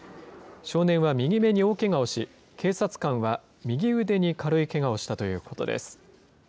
少年は右目に大けがをし、警察官は右腕に軽いけがをしたということです。